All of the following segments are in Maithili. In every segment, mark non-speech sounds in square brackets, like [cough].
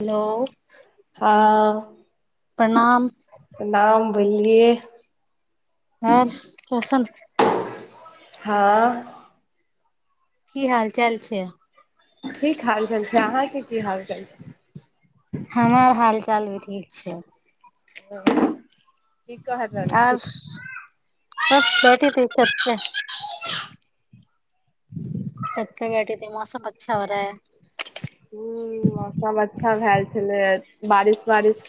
हेलो हँ प्रणाम प्रणाम बोलिए हँ कसन हँ की हाल चाल छै की हालचाल छै अहाँके की हाल चाल छै हमर हाल चाल भी ठीक छै ह आर बस बैठे छतपे छतपे बैठीे मौसम अच्छा हो रहा है ह मौसम अच्छा भेलए छलै बारिश बारिश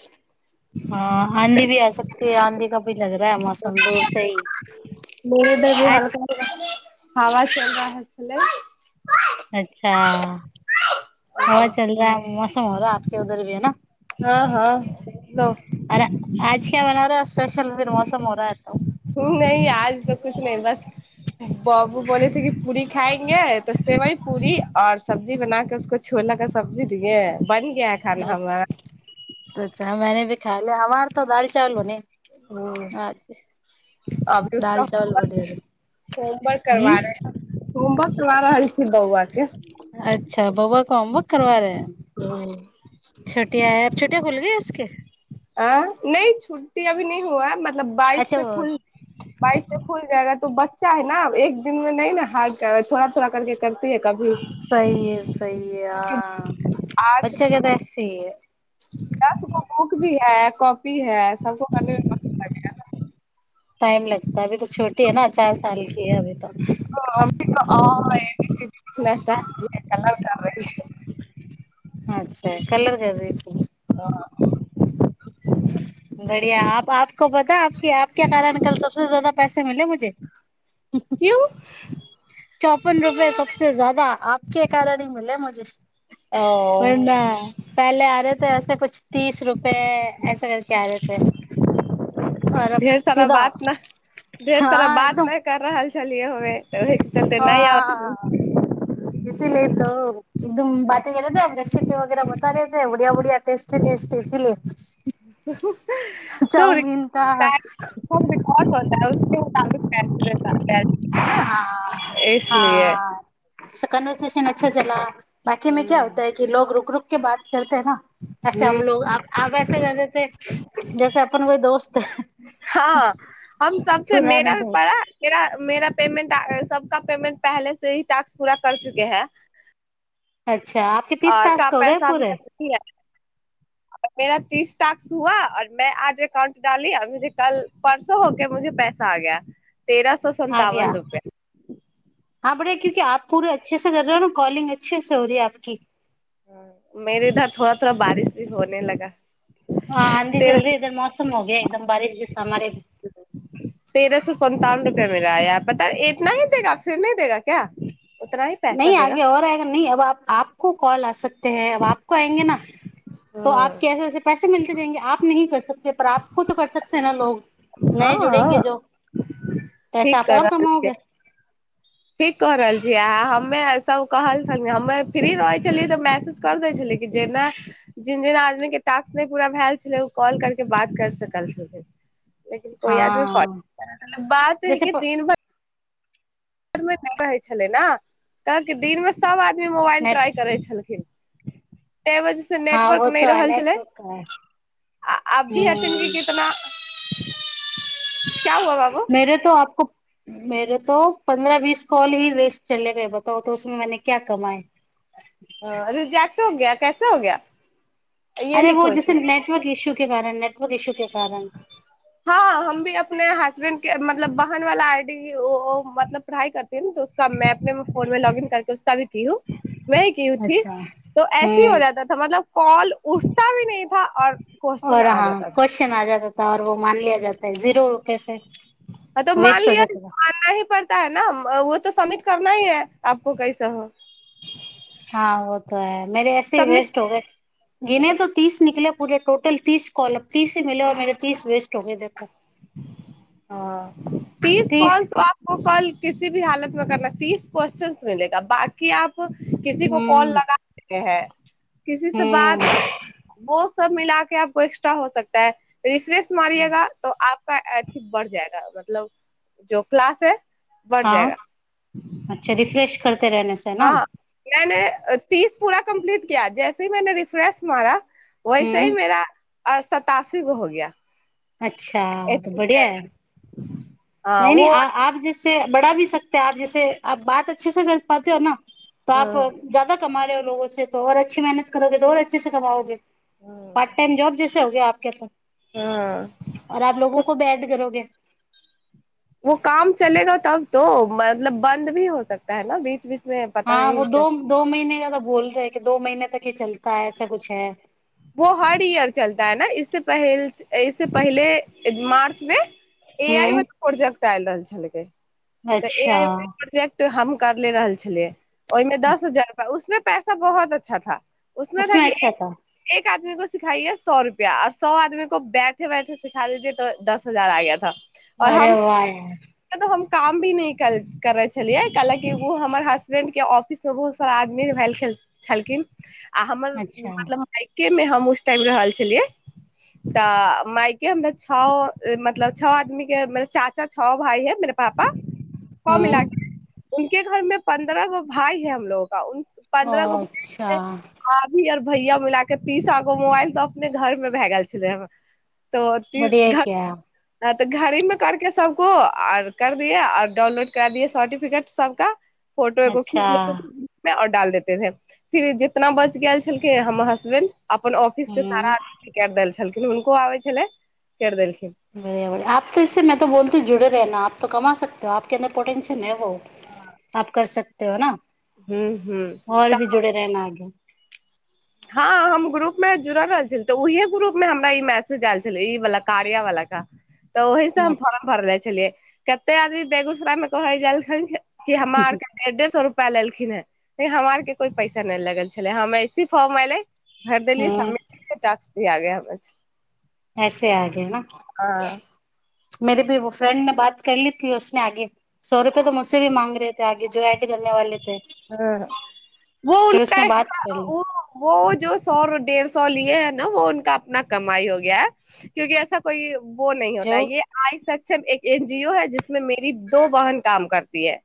हँ आँधी भी आ सकती है आँधी क भी लग रहा है मौसम दूर से ही मेरे इधर भी आ हल्का हवा चल रहअ छलै अच्छा हवा चल रहा मौसम हो रहा आपके उधर भी है न हँ हँ ग आजके मनरो स्पेशलर मौसम ओरा नहि आज तऽ कुछ नहि बस बाबू बोले थे कि पूरी खाएंगे तऽ सेवई पूरी औ सब्जी बना क उसको छोला का सब्जी दियए बन क्या खाना हमर खाइै अर तऽ दाल चावल बने आज अभी उ दाल हो चावल होमवर्क बने हूँ कराे होमवर्क करवा रहल छी बौआके करबा रहे हैं ह छुटिया खुल गये इसके आ नहि छुट्टी अभी नहि हुआ है मतलब बाइस अच्छा से वो खुल बाइस से खुल जाएगा तो बच्चा है न एक दिन मे नइ ने हँ कर थोड़ा थोड़ा कर सहिए सहिए हँ आठ बच्चाके तऽ [unintelligible] दस गो बुक भी है कॉपी है सबको करने मे मन लगेगा न टाइम लगताै अभी तऽ छोटी हइ न चार साल कै अभी तऽ हँ अभि तऽ अ आ ए ऐ ए बी सी डी लिखनैय स्टाट केलक अभि कलर रहल छै अच्छा कलर कैर रहल छै हँ बढ़िया हाथ आब आपको पता आपकी आपके कारण कल सबसे ज्यादा पैसे मिले मुझे क्यू चौपन रुपए सबस ज्यादा आपके कारण ही मिले मुझे ओ वरणा पहले आ रहे थे ऐसा कुछ तीस रुपे ऐसा कर के आ जेतै ढेर सारा बात नह ढेर सारा हाँ बात एकदम नहि कर रहल छलियै होबे तऽ ओहिके चलते नहि आबै इसी लिए तो एकदम बातटी गेल रेसीपी वगैरह मतारेै उड़िया उड़िया टेस्टी टेस्टी इसी लिए सब का रिकॉड रिकॉर्ड होताै उसके मुताबिक पैस देता है ने इसलिए कनवर्सेशन एक छला बाकी मे क्या हूँ होताै कि लोग रुक रुक के बात करतेै न वऐसे हमलोग आब आबै सबसे ज्यादा तो जैसे अपनन कोइ दोस्त हँ हम सबसँ पुराने मेरा पड़ा दोस्त मेरा मेरा पेमेंट सबका पेमेंट पहले से ही टाक्स पूरा कर चुके है [unintelligible] तीस आर टास्क हो गए पैसा भी पूरे रुकी है मेरा तीस टास्क हुआ और मैं आज एककाउंट डाली आ मुे कल परसो हो के मुे पैसा आगया तेरह सौ संतावन रुपया हँ बड़े क्योकी आप पूरा अच्छे से कर रहे हो न कॉलिंग अच्छे से हो रही आपकी मेरे इधर थोड़ा थोड़ा बारिश भी होने लगा म तेरह [unintelligible] मौसम हो गया एकदम बारिश जसे हमारे भी म या पता इतना ही देगा फिर नहिी देगा क्य नहि आगे हो आएग न अब कोू कॉल आ सकत है अब आपको आएंगे न त आप ह कैसे ओसे पैसे मिलत जाएंगे आप नहि कर प्राप्त खु त कर सकतै न लोग नए जुड़ेंगे हँ जो ठीक पैसा आप कह आओर रहल छियै कमाओगे ठीक कऽ रहल छियै आ हमे सभ कहलख हमे फ्री रहै छलियै तऽ मैसेज कर दै छलियै कि जेना जिन जेना आदमीके टास्क नहि पूरा भए छलै ओ कॉल करके बात करि सकल छलिन लेकिन कोइ आदमी हाँ फॉलो बात जैसे कि प दिन भर नहि रहै छलै ने कके दिन मे सब आदमी ी मोबाइल नेट ट्राइ करै छलखिन ताहि वजह से हाँ नेटवर्क वो नहि तो है रहल छलै नेटवर्क का है आ आब भी हथि क हम्म कितना क्या हुआ बाबू मेरो तो पन्द्रह बीस कॉल ही वेस्ट चले गए बताउ तऽ उसमे मैने क्या कमाए रिजेक्ट हो गया कैसा हो गया ये अरे वो लिखो जैसे इसमें नेटवर्क इश्यू के कारण नेट [unintelligible] हँ हम भी अपने हसबैंड मतलब बहन वाला आइ डी ओ मतलब पढ़ाइ करतै न त उसक मैप अपने फोनमे लॉग इन करके उसका भी की व कीथी अच्छा त ऐसे हो हम्म जाताथ मतलब कॉल उठता भी नहि ा आओर आओर हाँ क्वेश्चन आ जाता र वो मान लिया जाता है जीरो रुपए से तो मान वेस्ट हो लिअ जाता था मानना ही पड़ता है न तऽ सम्मिट करना ही है आपको कैसा हो हँ व तो ह मेर ऐसे सबमिट वेस्ट हो गए गिनेो तीस निकले पूे टोटल तीस कॉल तीस से मिलेऔ मेे तीस वेस्ट होगे देखो ह पीस कॉल तीस तपको कॉल किसी भ हालत मे करना तीस क्वस््चनस मिलेग बाकी आप किसी को कॉल हम्म लगा देे है किसी से बात हम्म बहुत सब मिला के आपको एक्स्ट्रा हो सकता है रिफ्रेश मारियएगा त आप अथि बढ़ जाएगा मतलब जो क्लास है बढ़ हँ अच्छा रिफ्रेश कर हँ नए नए तीस पूरा कम्प्लीट किया जैसेी मैने रिफ्रेश मारा वैसे ही हम्म मेरा आ सतासी गो हो गया अच्छा तऽ एट्टी बढ़िया है सेवन हाँ नहि नहि वो आप जस बढ़ा भी सकतै आ जैसे आ बात अच्छे से कर पाते हो ने आप ह ज्यादा कमाे से आ अच्छी मेहनत करोगे तो अच्छे से कमाओगे पार्ट टाइम जॉब जे हो गया आपके तो ह आओर आपलोगो को बैठ करोगे वो काम चलेगा तब तो मतलब बन्द भी हो सकता है न बीच बीच में पता हँ नहीं वो दो चल दो महीने क तऽ बोल रहेै कि दो महीने तक के चलता है ऐसा कुछ है वो हर ईयर चलता है न इसस प इस पहिले मार्च मे ए आइ हम्म वाला प्रोजेक्ट आएल रहल छैलेक अच्छा हम करले रहल छलियै ओहिमे दस हजार रुपआ उसमे पैसा बहुत अच्छा था उसमे अच्छा था आदमी को सिखाइए सए रुपआ आर सए आदमी को बैठे बैठे सिखा दीजे त दस हजार आ गाथ अरे भाई काम भी नहि करै छलियै कैलकि ओ हमर हसबेंड के ऑफिस मे बहुत सारा आदमी भेल छलखिन आ हमर अच्छा मतलब के मे हम उस टाइम रहल छलियै तऽ मायके हमरा छओ मतलब छओ आदमी के चाचा छओ भााय हे मेरे पापा ह मिलाके हम्म होय के घर में पन्द्रह गो भााय है हम लोगों पन्द्रह गो अच्छा आ भाभी आओर भैया बोलाक जब तीसागो मोबाइल तऽ अपने घर मे भए गेल छलै ह तऽ बढ़िया क्या ती घ तऽ घरी में करके सबको आऔर कर दियए आऔर डाउनलोड करा दिय सर्टिफिकेट सबका फोटो एगो अच्छा खीचल त डाल देते रहे फिर जितना बच गेल छल [unintelligible] अपन ऑफिस के सारा हम्म आदमी कए एत्त आएल छलय छलखिन हुनको आबै छलै कर देलखिन बढ़िया बढ़िया आपो इस में तो बोलते जुड़े रहना ऽ कमा सकत हो आप अन्दर पोटेशियम ह वो आप कर सकते चलो ना हूं हूं आओर भी जुड़े रहेना अगे हँ हम ग्रुप मे जुड़ल रहल छल तऽ उहे ग्रुप मे हमरा ई मैसेज आयल छलै ई वाला कार्य वला के तऽ ओहीसँ हम अच्छा फर्म भर ले छलियै कते आदमी बेगूसराय मे कह ह जालखंडकें कजे हमराररके डढ़ डेढ़ सए रुप पाय लेलखिन हे लेकिन हमरा आर के कोइ पैसा नहि लगल छलै हम ऐसे फर्म अलय भर देलियए हम्म समिट टास्क आ गय बछ ऐसे आगे ने हँ मेेरी भी फ्रेंड ने बात कर लीी उसने आगे सए रुपे त मु से भ माँग रहेथे आगे जो ऐड करने वालेे हँ व उ उसने एक बात कर ली व जो सौ डढ़ सए ली है न वो उनक अपना कमाइ हो ग है क्यि ऐसा कोइ वो नहि होता जो य आइ सक एक एन जी ओ है जिसमें मेरी दो बहन काम करती है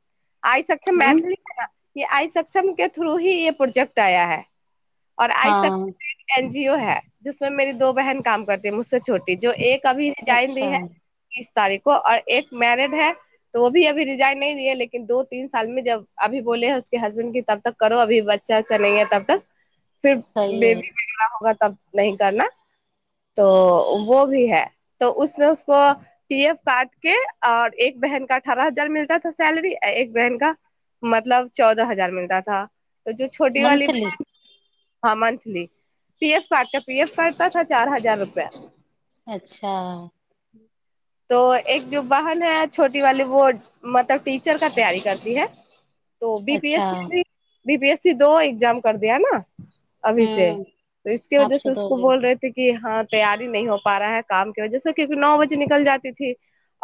आइ सक्षम हम्म मैथिलीमे ये आइ सक्षम के थ्रू ही ये प्रोजेक्ट आया है आर आइ सक हाँ एन जियो है जसमे मेरी दो बहन काम करती जो मुझ से छोटी जो एक अभी रिजाइन अच्छा दी है तारीख को आर एक मैरड है त व भी अभी रिजाइन नहि दै लेकिन दो तीन साल मे जब अभी बोले ह हसबैंड क तब तक करो अभी बच्चा उच्चा नै तब तक फिर सही है बेबी वगैह होगा तब न करना तो वो भी है त उसमे उसको पी एफ काट के और एक बहन का अठारह हजार मिलता सैलरी आ एक बहन का मतलब चौदह हजार मिलता था तऽ जो छोटी वाली मंथली बहन हँ मंथली पी एफ कार्ड क पी एफ कार्डताथ चार हजार रुपआ अच्छा तो एक जो बहन है छोटी वाली वो मतलब टीचर का तैयारी करती है तो बी पी अच्छा S C B P S C दो एग्जाम कर दिया ने अभी से हम्म त इसके आप वजह से उसको दोगे बोल रहेथे कि ह तैयारी नहि हो पा रहा है कामके वजह से क्यकि नओ बजे निकल जाती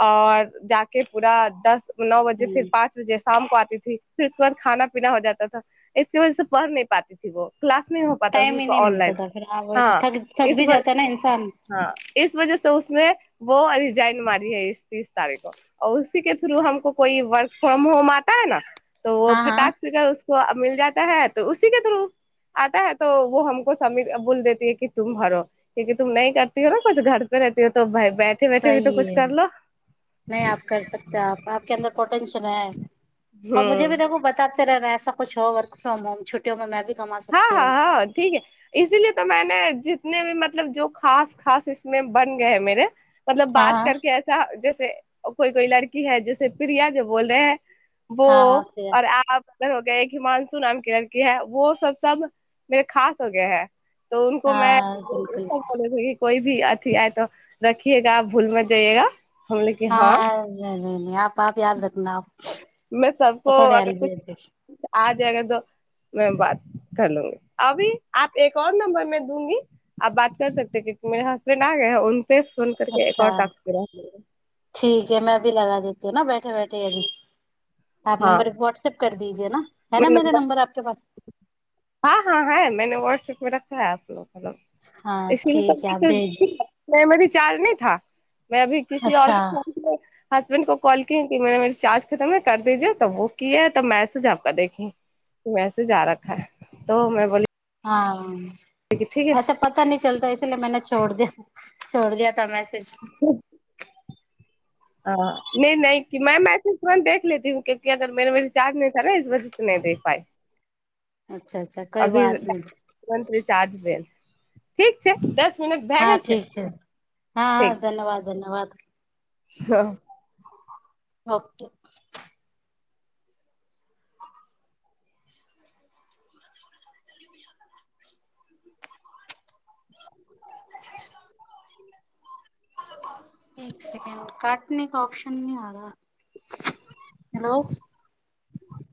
और जााक पूरा दस नओ बजे फर हम्म पाँच बजे शाम को आतीथी फिर उसके बाद खाना पीना हो जाता इसके वजह से पढ़ नहि पातीथी वो क्लास नहि हो टाइम ही पातता नहीं मिलता ऑनलाइन था फिर हाँ वही हँ तो थक थक भी जाता है ना इंसान हँ इस वजह से उ वो रिजाइन मारी है इस तीस तारीख को उसी के थ्रू हमको कोइ वर्क फ्रॉम होम आता है न तो हाँ ओभी हाँ फटाक सखर मिल जाता है त उसी के थ्रू आता है त वो हमको समी बोल देतीै कि तुम हरो कि तुम न करती हो ने कछु घर पे रहती हो त भ बैठे बैठे भी तो सही कछ है करलो केन्द्रक टेंशन है आ मुझे भ देखू बताते रहनाऐसा छओ वर्क फ्रोम छुटिय मे हँ हँ हँ ठीक है इसीलिए तऽ मैने जितने भी मतलब मतलब जो खास खास इसमे बन गए है मेे मतलब बात हाँ करके ऐसा ज कोइ कोई लड़की है जैसे प्रिया जो बोल रहे है वो हाँ हाँ प्रिया आऔर आप नर हो गय एक हिमानसू नाम की लड़की ह वो सब सबकें खास हो गये हैं तऽ उको में हाँ बिल्कुल कोइ भी भी अथी आय त रखिएगा भूल मत जाइएगा हम लोग कि हाँ द - यहाँ बात याद रखना मे सबको पकड़े अगर कछ अलबेज आज जाएगा तो मैं बात कर लूंगी अभी आप एक आओर नंबर मे दूंगी आ बात कर सकते क मेर हसबैंड आ गए है उनपे फोन करके एक अच्छा और टास्क मेरा हो जाएगा ठीकीक ह मै अभी लगा देता वो ने बैठे बैठे अजी आप हाँ नंबर व्ट्सऐप कर दीजए न है न मेरा नंबर आपके पास फर्क है आप को त हाँ ए ठीक है आप भेज फेमली चालनी था मैं अभी किसी आऔर अच्छा हसबैंड को कॉल की कि मेरा रिचार्ज खतम है कर भेजे तब वो तब वो कीै तऽ मैसेज आपक देखी मैसेज आ रखाै तो में बोल हाँ ऐसे अ पता नहि चलता इसलिए मैने छोड़ द छोड़ दिय तऽ मै उ ह हँ नहि नहि मै मैम ऐसे तुरन्त देख लेती हुँ मेरे में रिचार्ज नहीं था इस वजह से नहि देख पाइ अच्छा अच्छा कोइ बात नहि चार्ज भेल ठीक छै दस मिनट भए हँ गेल ठीक छै हँ ह ठीक छै धन्यवाद धन्यवाद हँ अ ओ एक सेकंड काटने क ऑप्शन न हेलो